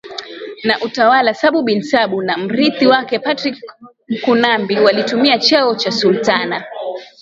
na utawala Sabu Bin Sabu na mrithi wake Partrick Kunambi walitumia Cheo cha Sultana